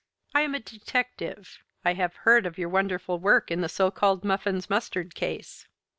I am a detective. I have heard of your wonderful work in the so called Muffins Mustard case."